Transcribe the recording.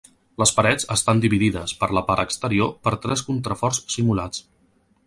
Les parets estan dividides, per la part exterior, per tres contraforts simulats.